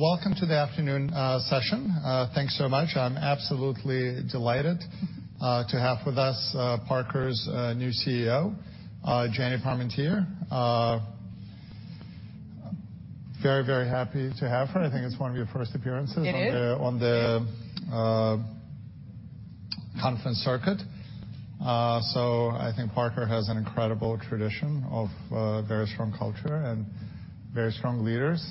Welcome to the afternoon session. Thanks so much. I'm absolutely delighted to have with us Parker's new CEO, Jenny Parmentier. Very, very happy to have her. I think it's one of your first appearances. It is. On the conference circuit. I think Parker has an incredible tradition of, very strong culture and very strong leaders.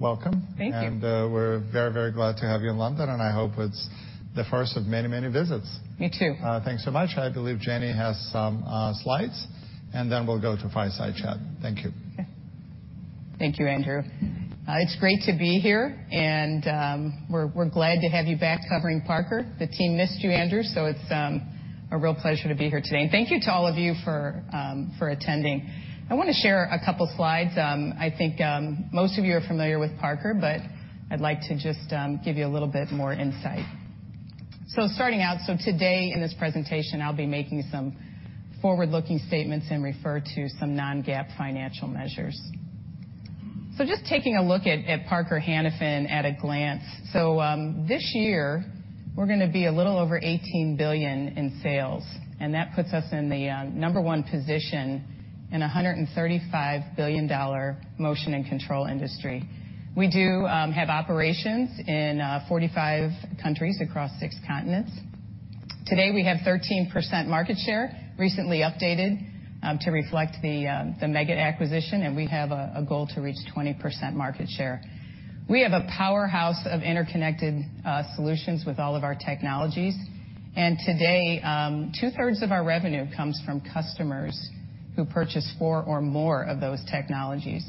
Welcome. Thank you. We're very glad to have you in London, and I hope it's the first of many visits. Me too. Thanks so much. I believe Jenny has some slides, and then we'll go to fireside chat. Thank you. Okay. Thank you, Andrew. It's great to be here, and we're glad to have you back covering Parker. The team missed you, Andrew, so it's a real pleasure to be here today. Thank you to all of you for attending. I want to share a couple of slides. I think most of you are familiar with Parker, but I'd like to just give you a little bit more insight. Starting out, today in this presentation, I'll be making some forward-looking statements and refer to some non-GAAP financial measures. Just taking a look at Parker Hannifin at a glance. This year, we're going to be a little over $18 billion in sales, and that puts us in the number one position in a $135 billion motion and control industry. We do have operations in 45 countries across six continents. Today, we have 13% market share, recently updated to reflect the Meggitt acquisition, and we have a goal to reach 20% market share. We have a powerhouse of interconnected solutions with all of our technologies. Today, 2/3 of our revenue comes from customers who purchase four or more of those technologies.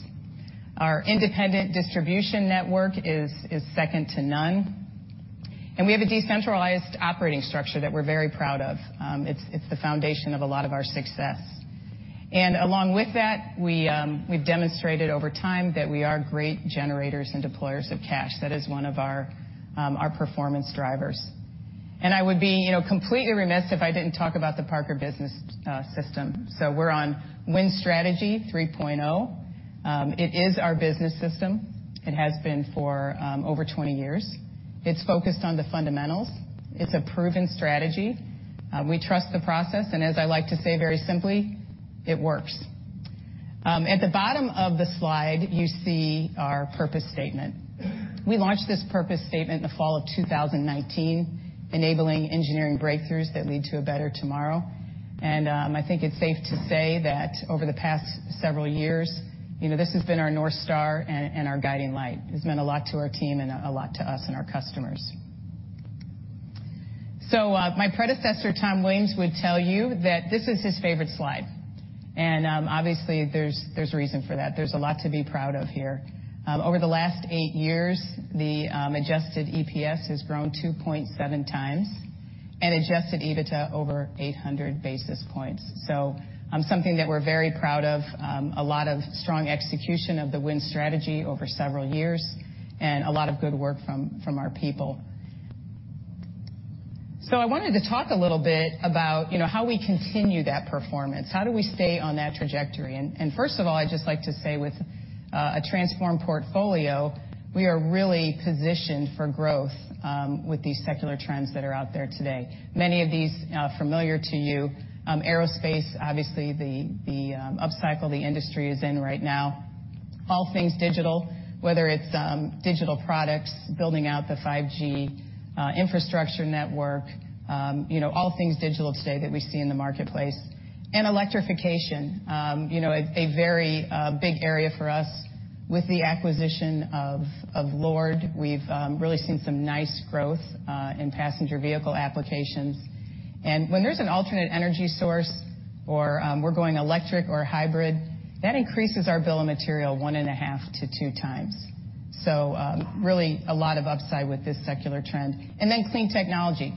Our independent distribution network is second to none. We have a decentralized operating structure that we're very proud of. It's the foundation of a lot of our success. Along with that, we've demonstrated over time that we are great generators and deployers of cash. That is one of our performance drivers. I would be, you know, completely remiss if I didn't talk about the Parker business system. We're on Win Strategy 3.0. It is our business system. It has been for over 20 years. It's focused on the fundamentals. It's a proven strategy. We trust the process. As I like to say very simply, it works. At the bottom of the slide, you see our purpose statement. We launched this purpose statement in the fall of 2019, enabling engineering breakthroughs that lead to a better tomorrow. I think it's safe to say that over the past several years, you know, this has been our North Star and our guiding light. It's meant a lot to our team and a lot to us and our customers. My predecessor, Tom Williams, would tell you that this is his favorite slide. Obviously, there's a reason for that. There's a lot to be proud of here. Over the last 8 years, the adjusted EPS has grown 2.7 times, and adjusted EBITDA over 800 basis points. Something that we're very proud of, a lot of strong execution of The Win Strategy over several years and a lot of good work from our people. I wanted to talk a little bit about, you know, how we continue that performance, how do we stay on that trajectory. First of all, I'd just like to say with a transformed portfolio, we are really positioned for growth with these secular trends that are out there today. Many of these familiar to you. Aerospace, obviously, the upcycle the industry is in right now. All things digital, whether it's digital products, building out the 5G infrastructure network, you know, all things digital today that we see in the marketplace. Electrification, you know, a very big area for us. With the acquisition of LORD, we've really seen some nice growth in passenger vehicle applications. When there's an alternate energy source or we're going electric or hybrid, that increases our bill of material 1.5 to 2 times. Really a lot of upside with this secular trend. Clean technology.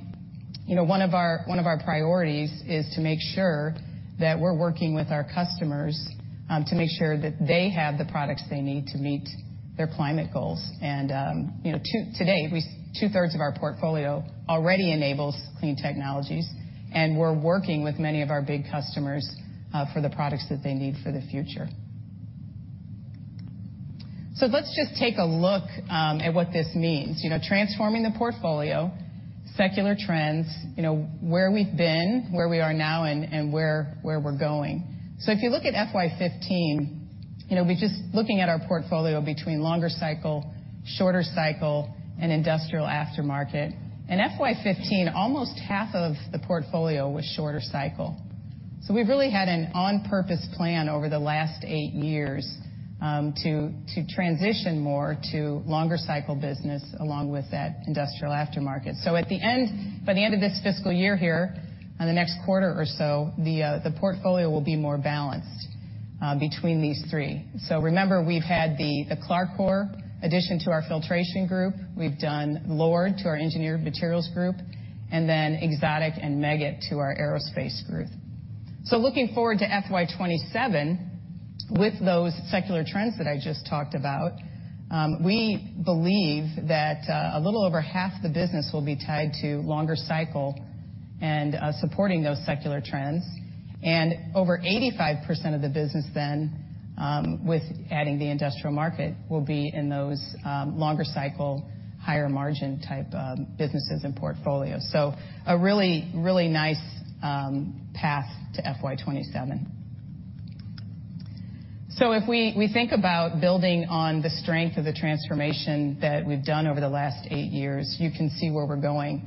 You know, one of our priorities is to make sure that we're working with our customers to make sure that they have the products they need to meet their climate goals. You know, today, we 2/3 of our portfolio already enables clean technologies, and we're working with many of our big customers for the products that they need for the future. Let's just take a look at what this means. You know, transforming the portfolio, secular trends, you know, where we've been, where we are now, and where we're going. If you look at FY15, you know, we're just looking at our portfolio between longer cycle, shorter cycle, and industrial aftermarket. In FY15, almost half of the portfolio was shorter cycle. We've really had an on-purpose plan over the last 8 years to transition more to longer cycle business along with that industrial aftermarket. At the end, by the end of this fiscal year here, in the next quarter or so, the portfolio will be more balanced between these three. Remember, we've had the CLARCOR addition to our filtration group. We've done LORD to our Engineered Materials group, and then Exotic and Meggitt to our aerospace group. Looking forward to FY27, with those secular trends that I just talked about, we believe that a little over half the business will be tied to longer cycle. Supporting those secular trends. Over 85% of the business then, with adding the industrial market, will be in those longer cycle, higher margin type businesses and portfolios. A really, really nice path to FY27. If we think about building on the strength of the transformation that we've done over the last 8 years, you can see where we're going.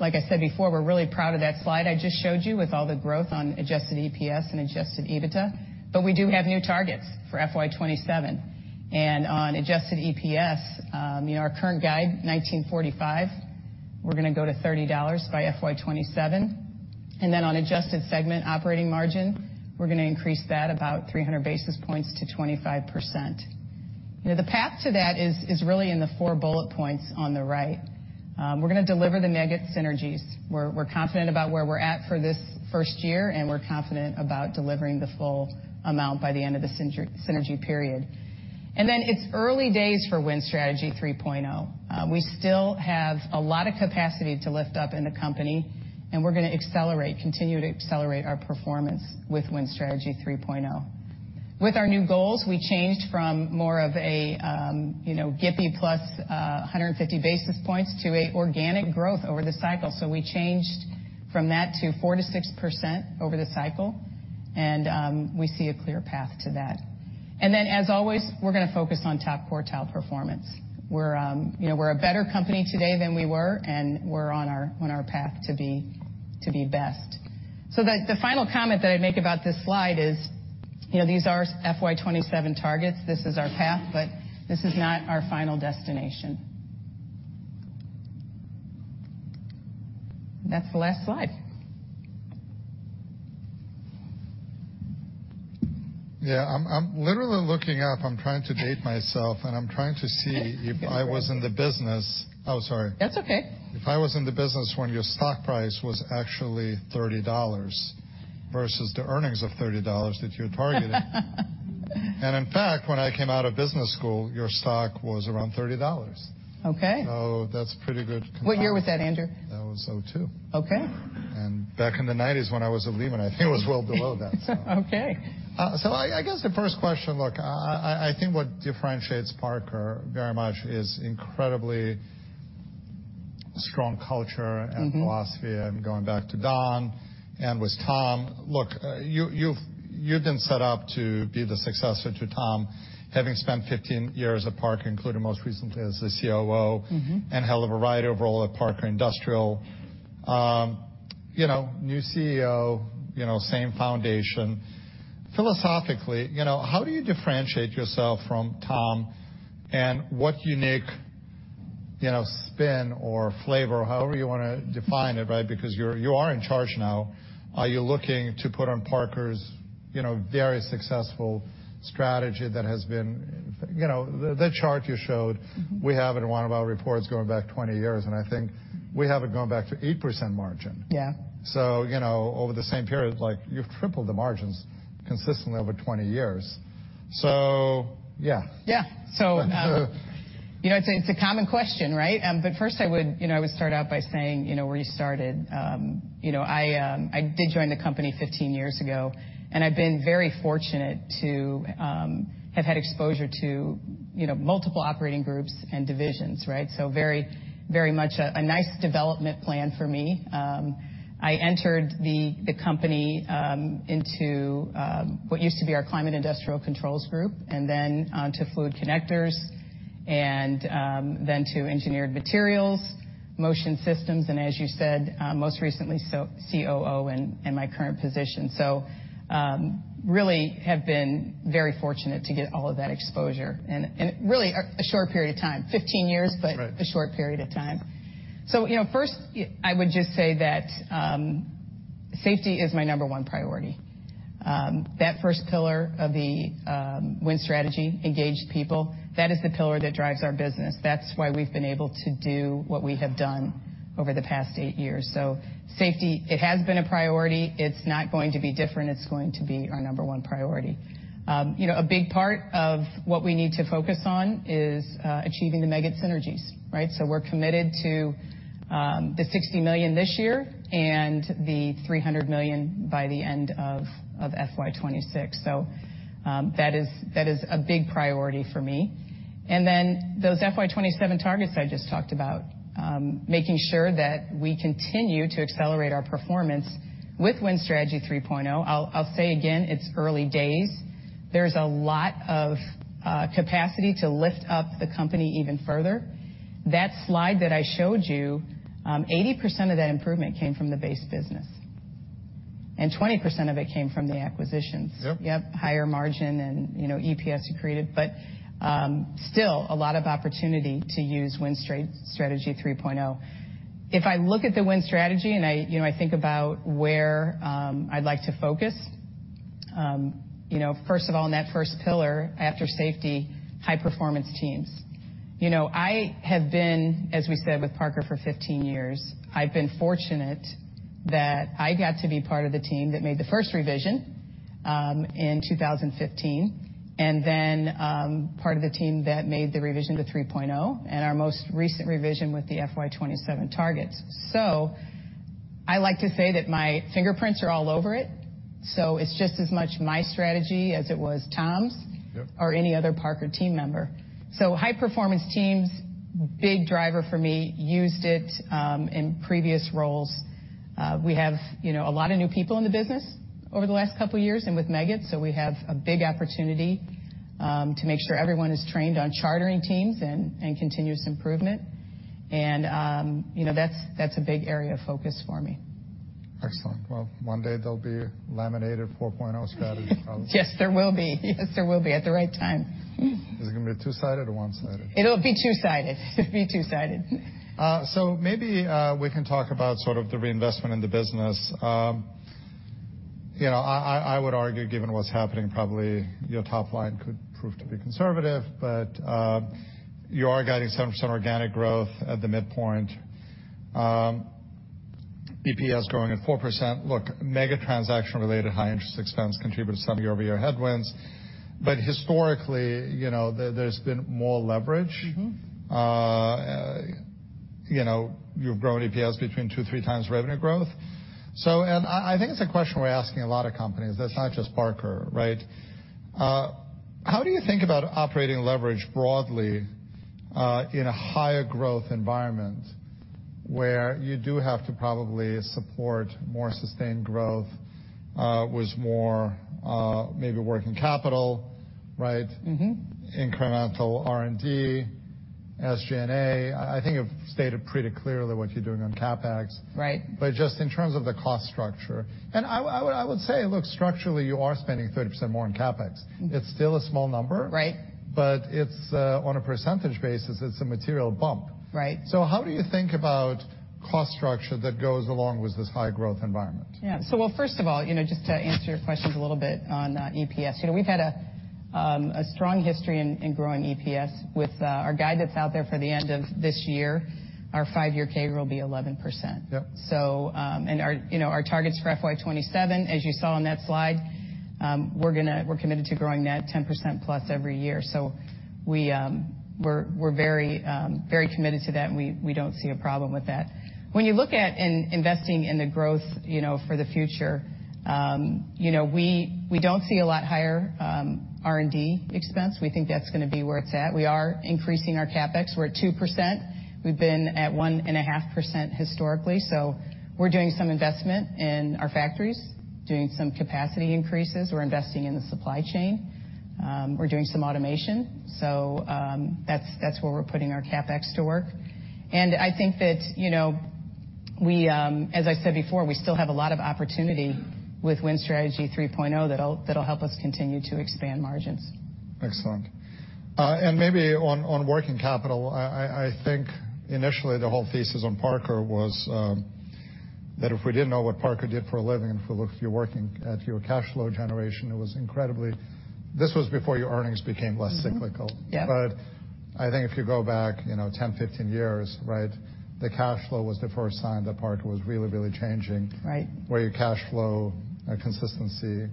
Like I said before, we're really proud of that slide I just showed you with all the growth on adjusted EPS and adjusted EBITDA. We do have new targets for FY27. On adjusted EPS, you know, our current guide, $19.45, we're gonna go to $30 by FY27. On adjusted segment operating margin, we're gonna increase that about 300 basis points to 25%. You know, the path to that is really in the 4 bullet points on the right. We're gonna deliver the Meggitt synergies. We're confident about where we're at for this first year, and we're confident about delivering the full amount by the end of the synergy period. It's early days for Win Strategy 3.0. We still have a lot of capacity to lift up in the company, and we're gonna continue to accelerate our performance with Win Strategy 3.0. With our new goals, we changed from more of a, you know, GDP plus, 150 basis points to a organic growth over the cycle. We changed from that to 4%-6% over the cycle, and we see a clear path to that. As always, we're gonna focus on top quartile performance. We're, you know, we're a better company today than we were, and we're on our path to be best. The final comment that I'd make about this slide is, you know, these are FY27 targets. This is our path, but this is not our final destination. That's the last slide. Yeah. I'm literally looking up. I'm trying to date myself, and I'm trying to see if I was in the business... Oh, sorry. That's okay. If I was in the business when your stock price was actually $30 versus the earnings of $30 that you're targeting. In fact, when I came out of business school, your stock was around $30. Okay. That's pretty good comparison. What year was that, Andrew? That was 2002. Okay. Back in the 90s, when I was at Lehman, I think it was well below that. Okay. I guess the first question, look, I think what differentiates Parker very much is incredibly strong culture- Mm-hmm. -and philosophy and going back to Don and with Tom. Look, you've been set up to be the successor to Tom, having spent 15 years at Parker, including most recently as the COO. Mm-hmm. Held a variety of role at Parker Industrial. You know, new CEO, you know, same foundation. Philosophically, you know, how do you differentiate yourself from Tom, and what unique, you know, spin or flavor, however you wanna define it, right? Because you are in charge now. Are you looking to put on Parker's, you know, very successful strategy that has been, you know? The chart you showed. Mm-hmm. We have it in one of our reports going back 20 years, and I think we have it going back to 8% margin. Yeah. You know, over the same period, like, you've tripled the margins consistently over 20 years. Yeah. Yeah. You know, it's a common question, right? First I would, you know, I would start out by saying, you know, where you started. You know, I did join the company 15 years ago. I've been very fortunate to have had exposure to, you know, multiple operating groups and divisions, right? Very much a nice development plan for me. I entered the company into what used to be our Climate and Industrial Controls group, then on to Fluid Connectors, then to Engineered Materials, Motion Systems, and as you said, most recently, COO and my current position. Really have been very fortunate to get all of that exposure in a short period of time. 15 years. Right. a short period of time. you know, first I would just say that safety is my number 1 priority. That first pillar of the Win Strategy, engage people, that is the pillar that drives our business. That's why we've been able to do what we have done over the past 8 years. safety, it has been a priority. It's not going to be different. It's going to be our number 1 priority. you know, a big part of what we need to focus on is achieving the Meggitt synergies, right? we're committed to the $60 million this year and the $300 million by the end of FY26. that is a big priority for me. Those FY27 targets I just talked about, making sure that we continue to accelerate our performance with Win Strategy 3.0. I'll say again, it's early days. There's a lot of capacity to lift up the company even further. That slide that I showed you, 80% of that improvement came from the base business, 20% of it came from the acquisitions. Yep. Higher margin and, you know, EPS accretive, still a lot of opportunity to use Win Strategy 3.0. If I look at the Win Strategy, I, you know, I think about where I'd like to focus, you know, first of all, in that first pillar, after safety, high-performance teams. You know, I have been, as we said, with Parker for 15 years. I've been fortunate that I got to be part of the team that made the first revision in 2015, part of the team that made the revision to 3.0, our most recent revision with the FY27 targets. I like to say that my fingerprints are all over it's just as much my strategy as it was Tom's. Yep. -or any other Parker team member. High-performance teams, big driver for me, used it in previous roles. We have, you know, a lot of new people in the business over the last couple years and with Meggitt, so we have a big opportunity to make sure everyone is trained on chartering teams and continuous improvement. You know, that's a big area of focus for me. Excellent. Well, one day they'll be laminated 4.0 strategy probably. Yes, there will be. Yes, there will be at the right time. Is it gonna be two-sided or one-sided? It'll be two-sided. Maybe, we can talk about sort of the reinvestment in the business. You know, I, I would argue, given what's happening, probably your top line could prove to be conservative, but, you are guiding some % organic growth at the midpoint. EPS growing at 4%. Look, Meggitt transaction-related high interest expense contributed some year-over-year headwinds. Historically, you know, there's been more leverage. Mm-hmm. You know, you've grown EPS between two to three times revenue growth. I think it's a question we're asking a lot of companies. That's not just Parker, right? How do you think about operating leverage broadly, in a higher growth environment where you do have to probably support more sustained growth, with more, maybe working capital, right? Mm-hmm. -incremental R&D, SG&A? I think you've stated pretty clearly what you're doing on CapEx. Right. Just in terms of the cost structure. I would say, look, structurally, you are spending 30% more on CapEx. Mm. It's still a small number. Right. it's, on a percentage basis, it's a material bump. Right. How do you think about cost structure that goes along with this high growth environment? Yeah. Well, first of all, you know, just to answer your questions a little bit on EPS, you know, we've had a strong history in growing EPS with our guide that's out there for the end of this year. Our 5-year CAGR will be 11%. Yep. And our, you know, our targets for FY27, as you saw on that slide, we're committed to growing net 10%+ every year. We're very committed to that, and we don't see a problem with that. When you look at investing in the growth, you know, for the future, you know, we don't see a lot higher R&D expense. We think that's gonna be where it's at. We are increasing our CapEx. We're at 2%. We've been at 1.5% historically, we're doing some investment in our factories, doing some capacity increases. We're investing in the supply chain. We're doing some automation, that's where we're putting our CapEx to work. I think that, you know, we, as I said before, we still have a lot of opportunity with Win Strategy 3.0 that'll help us continue to expand margins. Excellent. Maybe on working capital, I think initially the whole thesis on Parker was that if we didn't know what Parker did for a living, if we looked at your working, at your cash flow generation, it was incredibly... This was before your earnings became less cyclical. Mm-hmm. Yep. I think if you go back, you know, ten, 15 years, right, the cash flow was the first sign that Parker was really changing. Right. Where your cash flow, consistency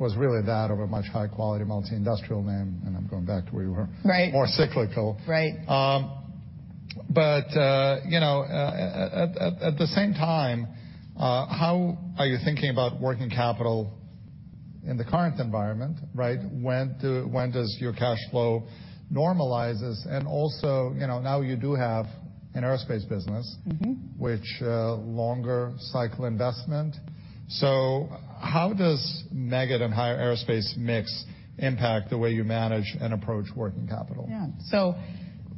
was really that of a much higher quality multi-industrial name, and I'm going back to where you were. Right. -more cyclical. Right. You know, at the same time, how are you thinking about working capital in the current environment, right? When does your cash flow normalizes? You know, now you do have an aerospace business... Mm-hmm. which, longer cycle investment. How does Meggitt and higher aerospace mix impact the way you manage and approach working capital? Yeah.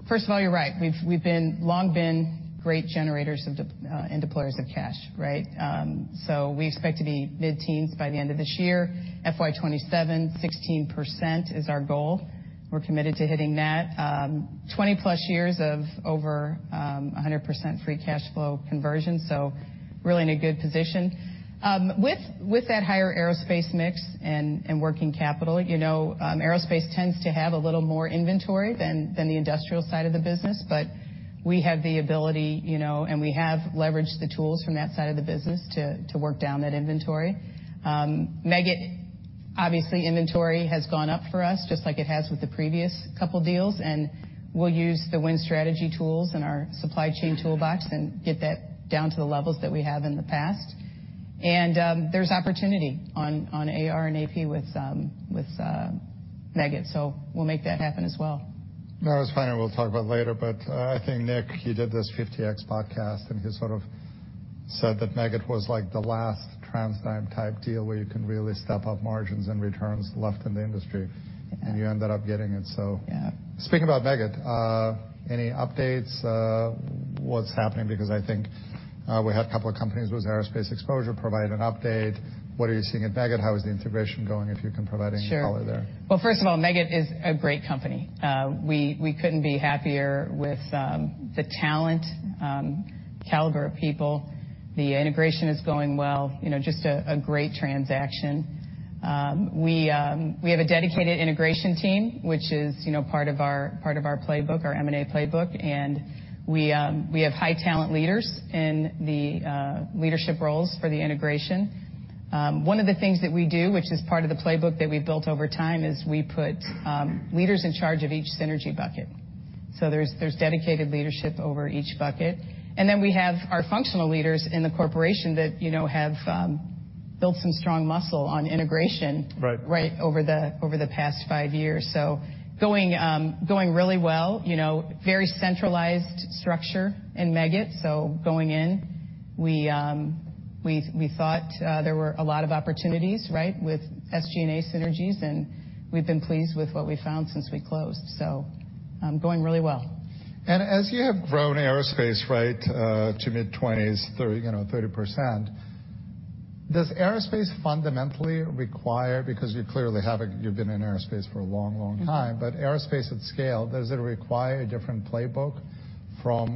First of all, you're right. We've long been great generators and deployers of cash, right? We expect to be mid-teens by the end of this year. FY27, 16% is our goal. We're committed to hitting that. 20-plus years of over 100% free cash flow conversion, so really in a good position. With that higher aerospace mix and working capital, you know, aerospace tends to have a little more inventory than the industrial side of the business, but we have the ability, you know, and we have leveraged the tools from that side of the business to work down that inventory. Meggitt, obviously inventory has gone up for us, just like it has with the previous couple deals, and we'll use the Win Strategy tools and our supply chain toolbox and get that down to the levels that we have in the past. There's opportunity on AR and AP with Meggitt. We'll make that happen as well. No, it's fine. We'll talk about it later. I think Nick, he did this 50X podcast, and he sort of said that Meggitt was like the last TransDigm type deal where you can really step up margins and returns left in the industry. Yeah. You ended up getting it, so. Yeah. Speaking about Meggitt, any updates? What's happening? I think, we had a couple of companies with aerospace exposure provide an update. What are you seeing at Meggitt? How is the integration going? If you can provide any color there. Sure. Well, first of all, Meggitt is a great company. We couldn't be happier with the talent, caliber of people. The integration is going well. You know, just a great transaction. We have a dedicated integration team, which is, you know, part of our playbook, our M&A playbook. We have high talent leaders in the leadership roles for the integration. One of the things that we do, which is part of the playbook that we built over time, is we put leaders in charge of each synergy bucket. There's dedicated leadership over each bucket. We have our functional leaders in the corporation that, you know, have built some strong muscle on integration. Right. Right over the past 5 years. Going really well, you know. Very centralized structure in Meggitt, going in, we thought there were a lot of opportunities, right, with SG&A synergies, and we've been pleased with what we found since we closed. Going really well. As you have grown aerospace, right, to mid-20s, 30, you know, 30%, does aerospace fundamentally require? Because you clearly you've been in aerospace for a long, long time. Mm-hmm. Aerospace at scale, does it require a different playbook from,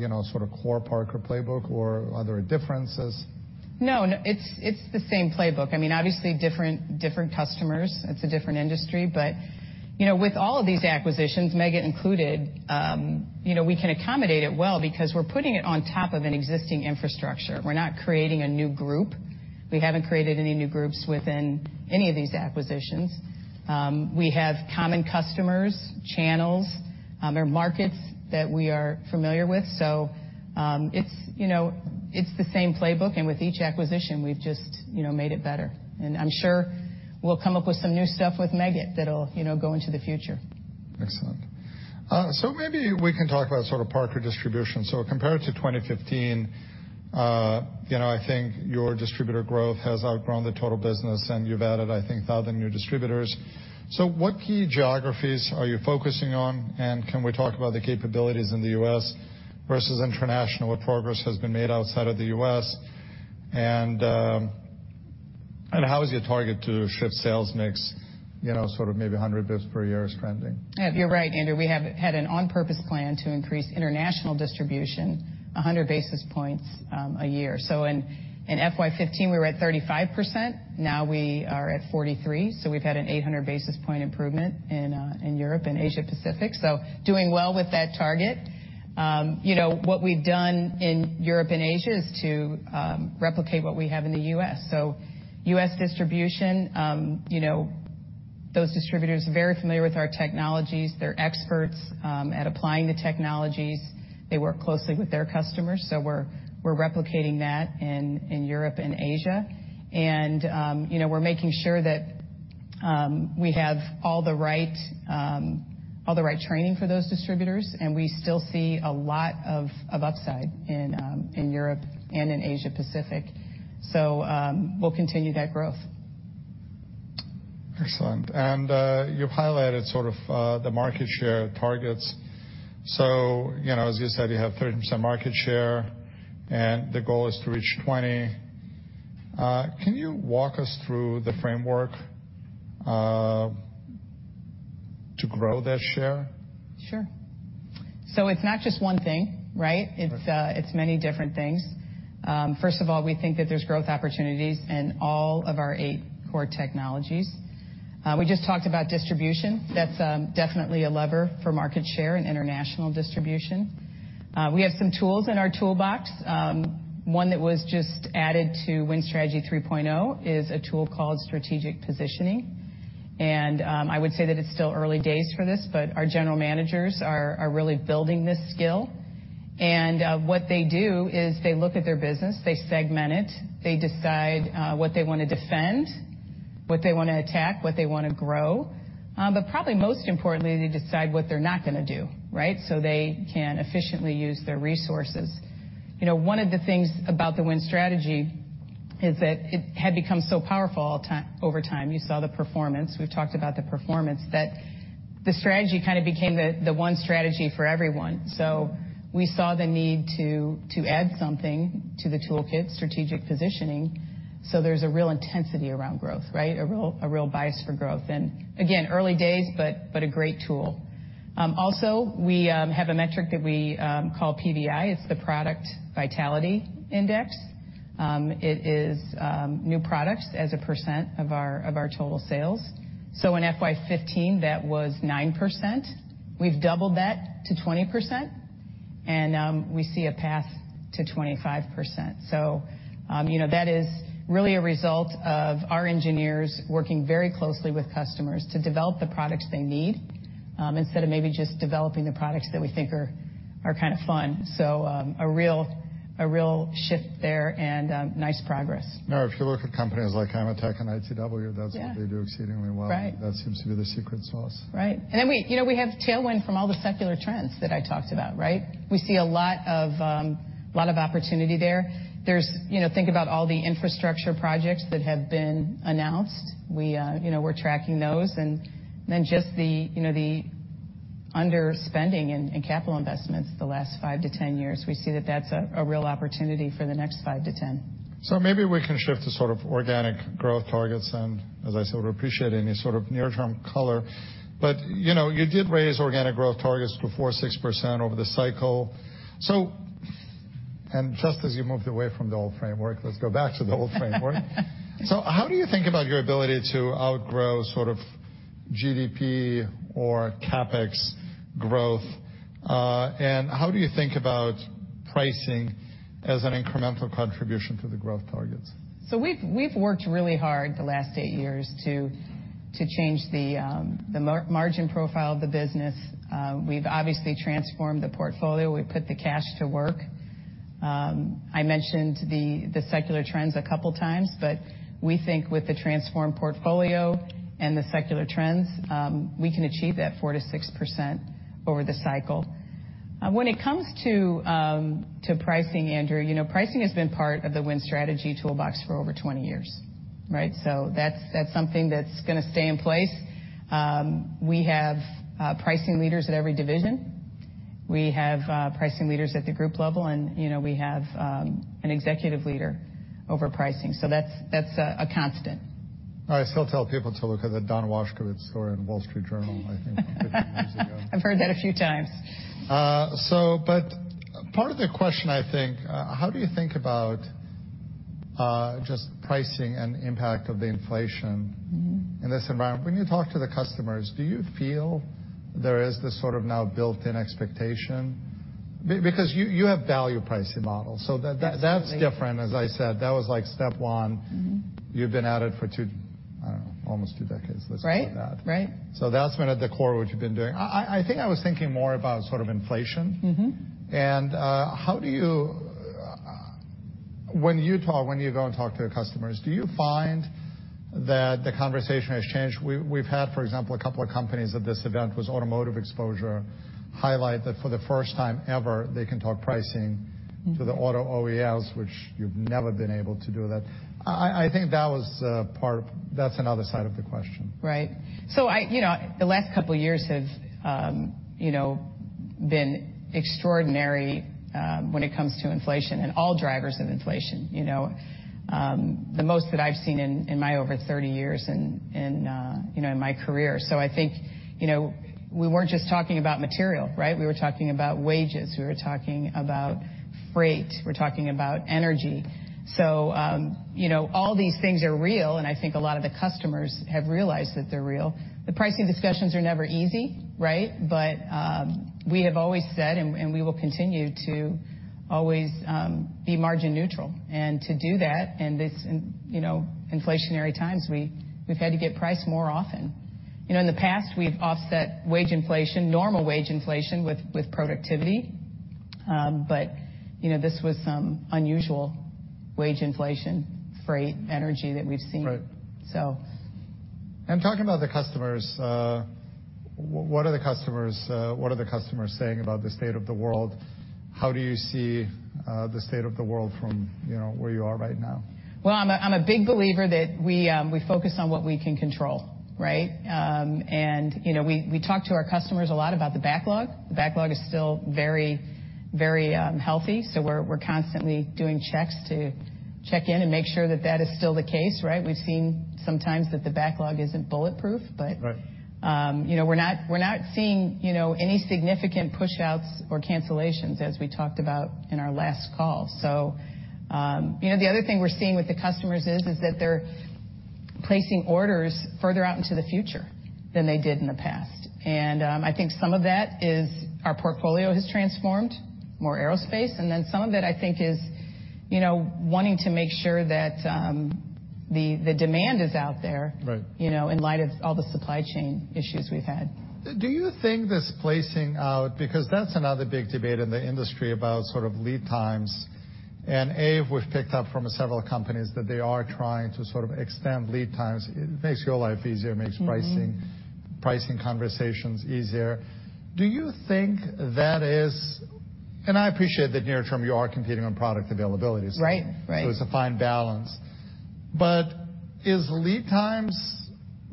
you know, sort of core Parker playbook, or are there differences? No, no. It's the same playbook. I mean, obviously different customers. It's a different industry. you know, with all of these acquisitions, Meggitt included, you know, we can accommodate it well because we're putting it on top of an existing infrastructure. We're not creating a new group. We haven't created any new groups within any of these acquisitions. We have common customers, channels, or markets that we are familiar with. it's, you know, it's the same playbook. With each acquisition, we've just, you know, made it better. I'm sure we'll come up with some new stuff with Meggitt that'll, you know, go into the future. Excellent. Maybe we can talk about sort of Parker distribution. Compared to 2015, you know, I think your distributor growth has outgrown the total business, and you've added, I think, 1,000 new distributors. What key geographies are you focusing on, and can we talk about the capabilities in the U.S. versus international? What progress has been made outside of the U.S.? How is your target to shift sales mix, you know, sort of maybe 100 basis points per year is trending? You're right, Andrew. We have had an on-purpose plan to increase international distribution 100 basis points a year. In FY15, we were at 35%. Now we are at 43, so we've had an 800 basis point improvement in Europe and Asia Pacific. Doing well with that target. You know, what we've done in Europe and Asia is to replicate what we have in the U.S. U.S. distribution, you know, those distributors are very familiar with our technologies. They're experts at applying the technologies. They work closely with their customers, so we're replicating that in Europe and Asia. You know, we're making sure that, we have all the right, all the right training for those distributors, and we still see a lot of upside in Europe and in Asia Pacific. We'll continue that growth. Excellent. You've highlighted sort of the market share targets. You know, as you said, you have 30% market share, and the goal is to reach 20%. Can you walk us through the framework to grow that share? Sure. It's not just one thing, right? Right. It's, it's many different things. First of all, we think that there's growth opportunities in all of our eight core technologies. We just talked about distribution. That's definitely a lever for market share and international distribution. We have some tools in our toolbox. One that was just added to Win Strategy 3.0 is a tool called Strategic Positioning. I would say that it's still early days for this, but our general managers are really building this skill. What they do is they look at their business, they segment it. They decide what they wanna defend, what they wanna attack, what they wanna grow. Probably most importantly, they decide what they're not gonna do, right? They can efficiently use their resources. You know, one of the things about the Win Strategy is that it had become so powerful over time. You saw the performance. We've talked about the performance. That the strategy kind of became the one Strategy for everyone. We saw the need to add something to the toolkit, Strategic Positioning, so there's a real intensity around growth, right? A real, a real bias for growth. Again, early days, but a great tool. Also we have a metric that we call PVI. It's the Product Vitality Index. It is new products as a percent of our total sales. In FY15, that was 9%. We've doubled that to 20%, and we see a path to 25%. You know, that is really a result of our engineers working very closely with customers to develop the products they need, instead of maybe just developing the products that we think are kind of fun. A real shift there and nice progress. If you look at companies like AMETEK and ITW. Yeah. that's what they do exceedingly well. Right. That seems to be the secret sauce. Right. Then we, you know, we have tailwind from all the secular trends that I talked about, right? We see a lot of opportunity there. There's, you know, think about all the infrastructure projects that have been announced. We, you know, we're tracking those. Then just the, you know, the underspending in capital investments the last 5 to 10 years. We see that that's a real opportunity for the next 5 to 10. Maybe we can shift to sort of organic growth targets, and as I said, we appreciate any sort of near-term color. You know, you did raise organic growth targets to 4% to 6% over the cycle. Just as you moved away from the old framework, let's go back to the old framework. How do you think about your ability to outgrow sort of GDP or CapEx growth? How do you think about pricing as an incremental contribution to the growth targets? We've worked really hard the last eight years to change the margin profile of the business. We've obviously transformed the portfolio. We've put the cash to work. I mentioned the secular trends a couple times, but we think with the transformed portfolio and the secular trends, we can achieve that 4%-6% over the cycle. When it comes to pricing, Andrew, you know, pricing has been part of the Win Strategy toolbox for over 20 years, right? That's something that's gonna stay in place. We have pricing leaders at every division. We have pricing leaders at the group level, and, you know, we have an executive leader over pricing. That's a constant. I still tell people to look at the Don Washkewicz story in The Wall Street Journal I think from 15 years ago. I've heard that a few times. Part of the question I think, how do you think about, just pricing and impact of the inflation? Mm-hmm. In this environment? When you talk to the customers, do you feel there is this sort of now built-in expectation? Because you have value pricing models, so that… Absolutely. That's different, as I said. That was, like, step one. Mm-hmm. You've been at it for 2, I don't know, almost 2 decades. Right, right. Let's say that. That's been at the core of what you've been doing. I think I was thinking more about sort of inflation. Mm-hmm. How do you, when you go and talk to your customers, do you find that the conversation has changed? We've had, for example, a couple of companies at this event with automotive exposure highlight that for the first time ever they can talk pricing... Mm-hmm. to the auto OES, which you've never been able to do that. I think that's another side of the question. Right. I, you know, the last couple years have, you know, been extraordinary when it comes to inflation and all drivers of inflation. You know, the most that I've seen in my over 30 years in, you know, in my career. I think, you know, we weren't just talking about material, right? We were talking about wages. We were talking about freight. We're talking about energy. You know, all these things are real, and I think a lot of the customers have realized that they're real. The pricing discussions are never easy, right? We have always said, and we will continue to always be margin neutral. To do that in this, you know, inflationary times, we've had to get price more often. You know, in the past we've offset wage inflation, normal wage inflation with productivity. You know, this was some unusual wage inflation, freight, energy that we've seen. Right. So. Talking about the customers, what are the customers saying about the state of the world? How do you see, the state of the world from, you know, where you are right now? Well, I'm a big believer that we focus on what we can control, right? You know, we talk to our customers a lot about the backlog. The backlog is still very, very healthy, we're constantly doing checks to check in and make sure that that is still the case, right? We've seen some times that the backlog isn't bulletproof, but- Right. you know, we're not, we're not seeing, you know, any significant push-outs or cancellations as we talked about in our last call. you know, the other thing we're seeing with the customers is that they're placing orders further out into the future than they did in the past. I think some of that is our portfolio has transformed, more aerospace. some of it I think is, you know, wanting to make sure that the demand is out there. Right. You know, in light of all the supply chain issues we've had. Do you think this placing out, because that's another big debate in the industry about sort of lead times? A, we've picked up from several companies that they are trying to sort of extend lead times. It makes your life easier. Mm-hmm. Makes pricing conversations easier. Do you think that is. I appreciate that near term you are competing on product availability. Right. Right. It's a fine balance. Is lead times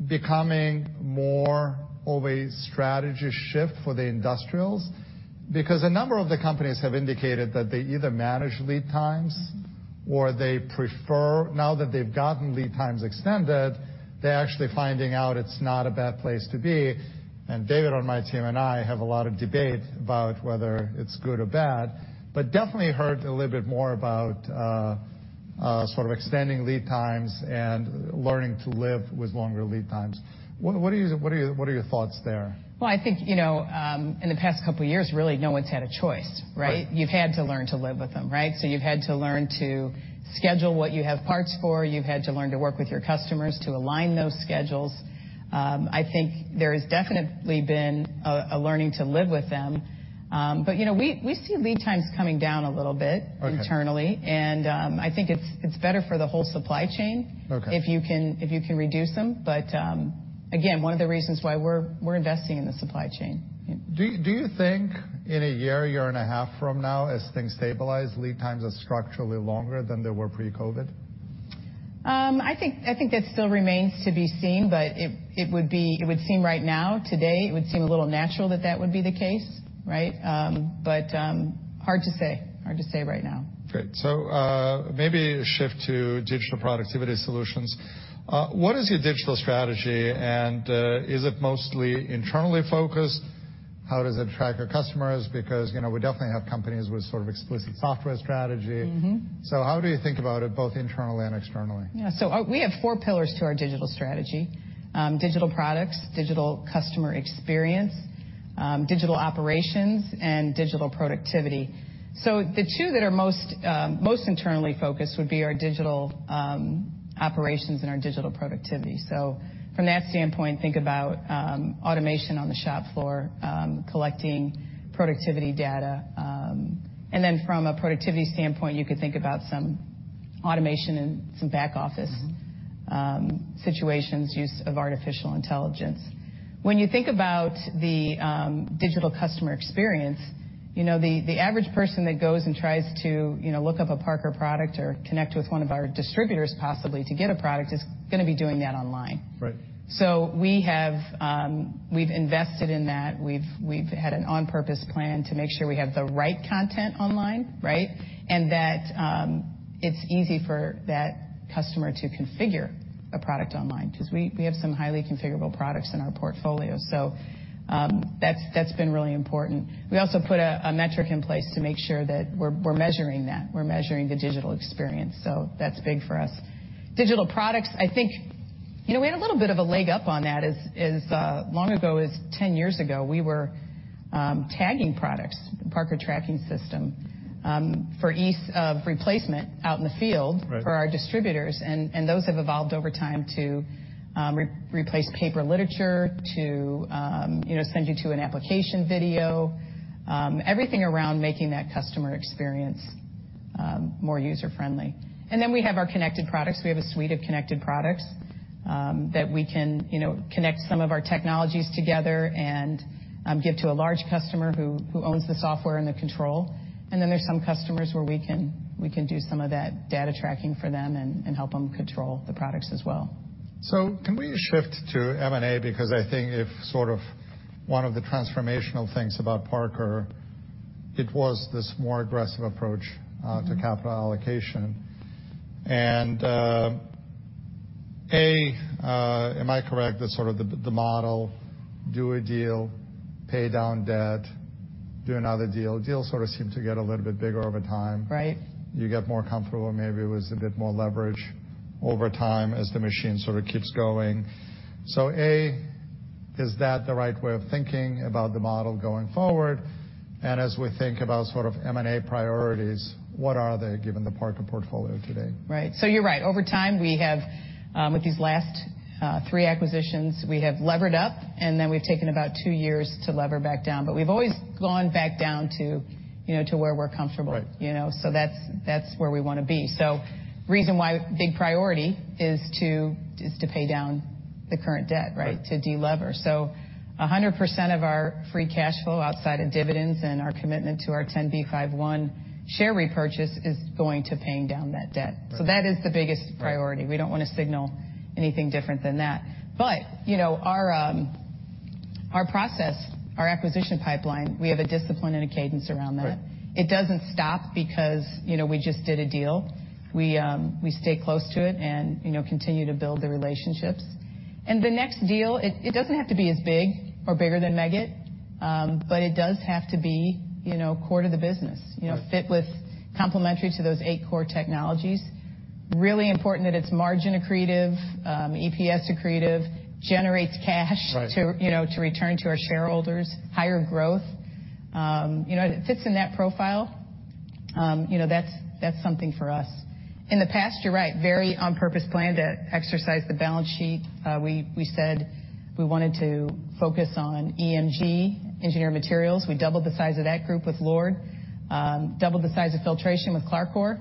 becoming more of a strategy shift for the industrials? A number of the companies have indicated that they either manage lead times... Mm-hmm. -or they prefer, now that they've gotten lead times extended, they're actually finding out it's not a bad place to be. David on my team and I have a lot of debate about whether it's good or bad. Definitely heard a little bit more about sort of extending lead times and learning to live with longer lead times. What are your thoughts there? I think, you know, in the past couple years really no one's had a choice, right? Right. You've had to learn to live with them, right? You've had to learn to schedule what you have parts for. You've had to learn to work with your customers to align those schedules. I think there has definitely been a learning to live with them. You know, we see lead times coming down a little bit... Okay. internally. I think it's better for the whole supply chain. Okay. if you can reduce them. Again, one of the reasons why we're investing in the supply chain. Do you think in a year and a half from now as things stabilize, lead times are structurally longer than they were pre-COVID? I think that still remains to be seen. It would seem right now today, it would seem a little natural that that would be the case, right? Hard to say. Hard to say right now. Great. Maybe shift to digital productivity solutions. What is your digital strategy, and is it mostly internally focused? How does it track our customers? You know, we definitely have companies with sort of explicit software strategy. Mm-hmm. How do you think about it, both internal and externally? Yeah. We have four pillars to our digital strategy, digital products, digital customer experience, digital operations, and digital productivity. The two that are most internally focused would be our digital operations and our digital productivity. From that standpoint, think about automation on the shop floor, collecting productivity data. Then from a productivity standpoint, you could think about some automation in some back-office situations, use of artificial intelligence. When you think about the digital customer experience, you know, the average person that goes and tries to, you know, look up a Parker product or connect with one of our distributors possibly to get a product is gonna be doing that online. Right. We have, we've invested in that. We've had an on-purpose plan to make sure we have the right content online, right? That, it's easy for that customer to configure a product online, 'cause we have some highly configurable products in our portfolio. That's been really important. We also put a metric in place to make sure that we're measuring that. We're measuring the digital experience, so that's big for us. Digital products, I think, you know, we had a little bit of a leg up on that as long ago as 10 years ago, we were tagging products, Parker Tracking System, for ease of replacement out in the field. Right. for our distributors. Those have evolved over time to replace paper literature to, you know, send you to an application video, everything around making that customer experience more user-friendly. Then we have our connected products. We have a suite of connected products that we can, you know, connect some of our technologies together and give to a large customer who owns the software and the control. Then there's some customers where we can do some of that data tracking for them and help them control the products as well. Can we shift to M&A? Because I think if sort of one of the transformational things about Parker, it was this more aggressive approach to capital allocation. Am I correct that sort of the model, do a deal, pay down debt, do another deal? Deals sort of seem to get a little bit bigger over time. Right. You get more comfortable, maybe with a bit more leverage over time as the machine sort of keeps going. A, is that the right way of thinking about the model going forward? As we think about sort of M&A priorities, what are they, given the Parker portfolio today? Right. You're right. Over time, we have, with these last, 3 acquisitions, we have levered up, and then we've taken about 2 years to lever back down. We've always gone back down to, you know, to where we're comfortable. Right. You know, so that's where we wanna be. Reason why big priority is to, is to pay down the current debt, right? Right. To de-lever. 100% of our free cash flow outside of dividends and our commitment to our 10b5-1 share repurchase is going to paying down that debt. Right. That is the biggest priority. Right. We don't wanna signal anything different than that. you know, our process, our acquisition pipeline, we have a discipline and a cadence around that. Right. It doesn't stop because, you know, we just did a deal. We, we stay close to it and, you know, continue to build the relationships. The next deal, it doesn't have to be as big or bigger than Meggitt, but it does have to be, you know, core to the business. Right. You know, fit with complementary to those eight core technologies. Really important that it's margin accretive, EPS accretive, generates cash. Right. -to, you know, to return to our shareholders, higher growth. You know, it fits in that profile, you know, that's something for us. In the past, you're right, very on-purpose plan to exercise the balance sheet. We, we said we wanted to focus on EMG, Engineered Materials. We doubled the size of that group with LORD, doubled the size of filtration with CLARCOR,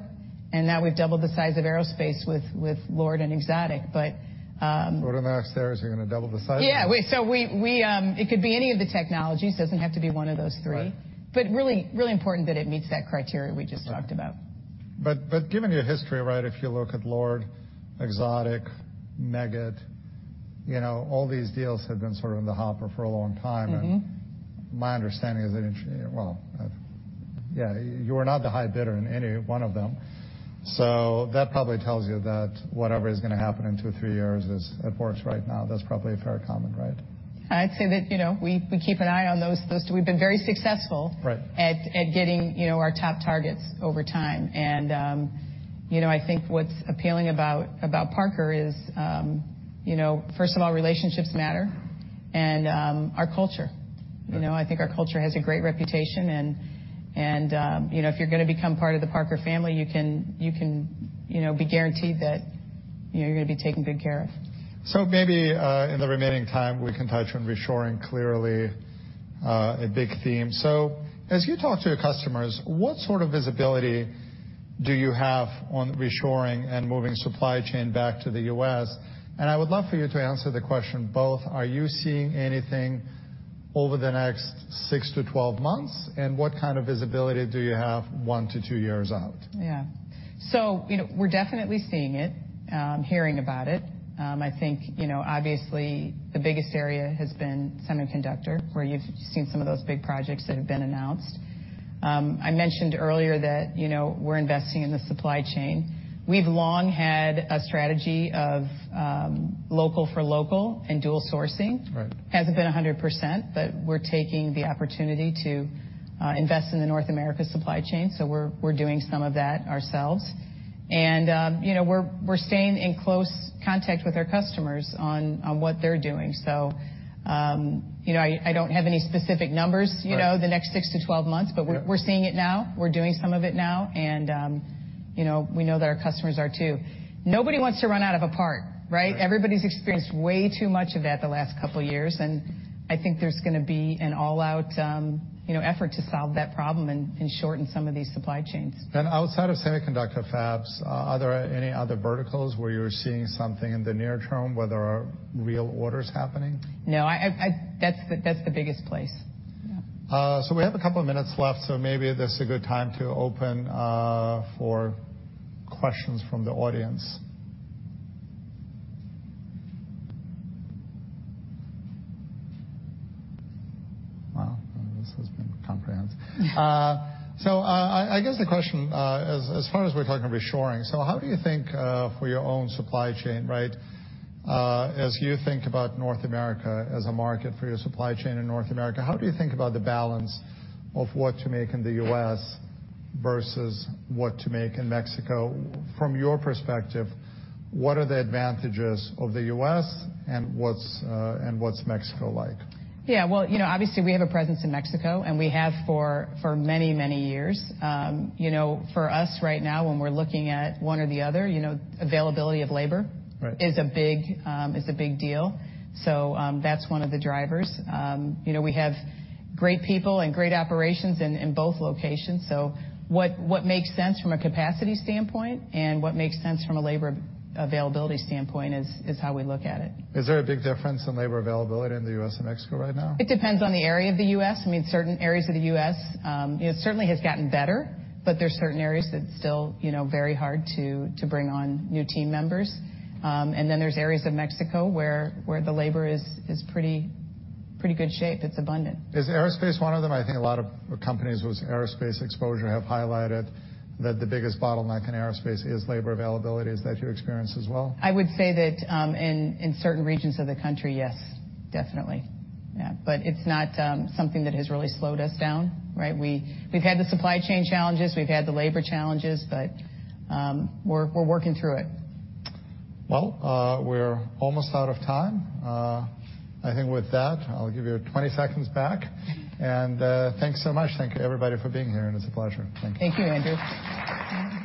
and now we've doubled the size of aerospace with LORD and Exotic. What about upstairs? Are you gonna double the size? Yeah. We, it could be any of the technologies. Doesn't have to be one of those three. Right. Really, really important that it meets that criteria we just talked about. Right. Given your history, right, if you look at LORD, Exotic, Meggitt, you know, all these deals have been sort of in the hopper for a long time. Mm-hmm. My understanding is that Well, yeah, you were not the high bidder in any one of them. That probably tells you that whatever is gonna happen in two, three years is, it works right now. That's probably a fair comment, right? I'd say that, you know, we keep an eye on those two. We've been very successful. Right. at getting, you know, our top targets over time. You know, I think what's appealing about Parker is, you know, first of all, relationships matter and our culture. Right. You know, I think our culture has a great reputation, and, you know, if you're gonna become part of the Parker family, you can, you know, be guaranteed that, you know, you're gonna be taken good care of. Maybe, in the remaining time, we can touch on reshoring, clearly, a big theme. As you talk to your customers, what sort of visibility do you have on reshoring and moving supply chain back to the US? I would love for you to answer the question both are you seeing anything over the next 6-12 months, and what kind of visibility do you have 1-2 years out? Yeah. You know, we're definitely seeing it, hearing about it. I think, you know, obviously the biggest area has been semiconductor, where you've seen some of those big projects that have been announced. I mentioned earlier that, you know, we're investing in the supply chain. We've long had a strategy of, local for local and dual sourcing. Right. Hasn't been 100%, but we're taking the opportunity to invest in the North America supply chain, so we're doing some of that ourselves. You know, we're staying in close contact with our customers on what they're doing. You know, I don't have any specific numbers... Right. You know, the next 6-12 months. Yeah. We're seeing it now, we're doing some of it now, and, you know, we know that our customers are too. Nobody wants to run out of a part, right? Right. Everybody's experienced way too much of that the last couple years. I think there's gonna be an all-out, you know, effort to solve that problem and shorten some of these supply chains. Outside of semiconductor fabs, are there any other verticals where you're seeing something in the near term where there are real orders happening? No. I. That's the biggest place. Yeah. We have a couple of minutes left, so maybe this is a good time to open for questions from the audience. Well, this has been comprehensive. I guess the question, as far as we're talking reshoring, how do you think for your own supply chain, right, as you think about North America as a market for your supply chain in North America, how do you think about the balance of what to make in the US versus what to make in Mexico? From your perspective, what are the advantages of the US, and what's and what's Mexico like? Yeah. Well, you know, obviously we have a presence in Mexico, and we have for many, many years. You know, for us right now, when we're looking at one or the other, you know, availability of. Right. Is a big deal. That's one of the drivers. You know, we have great people and great operations in both locations, so what makes sense from a capacity standpoint and what makes sense from a labor availability standpoint is how we look at it. Is there a big difference in labor availability in the U.S. and Mexico right now? It depends on the area of the US. I mean, certain areas of the US, you know, it certainly has gotten better, but there's certain areas that still, you know, very hard to bring on new team members. There's areas of Mexico where the labor is pretty good shape. It's abundant. Is aerospace one of them? I think a lot of companies with aerospace exposure have highlighted that the biggest bottleneck in aerospace is labor availability. Is that your experience as well? I would say that, in certain regions of the country, yes, definitely. Yeah. It's not something that has really slowed us down, right? We've had the supply chain challenges, we've had the labor challenges, but we're working through it. Well, we're almost out of time. I think with that, I'll give you 20 seconds back. Thanks so much. Thank you, everybody, for being here, and it's a pleasure. Thank you. Thank you, Andrew.